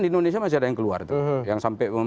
di indonesia masih ada yang keluar tuh yang sampai